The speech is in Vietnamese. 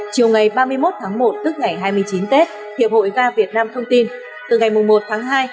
chiều ba mươi một một tức ngày hai mươi chín tết hiệp hội ga việt nam thông tin từ ngày một hai